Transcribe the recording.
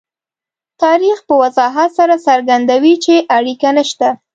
تاریخ په وضاحت سره څرګندوي چې اړیکه نشته.